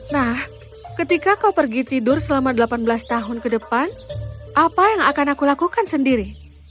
nah ketika kau pergi tidur selama delapan belas tahun ke depan apa yang akan aku lakukan sendiri